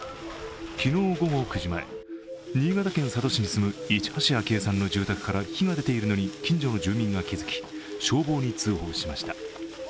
昨日午後９時前、新潟県佐渡市に住む市橋秋江さんの住宅から火が出ているのに近所の住民が気づき消防に通報しました。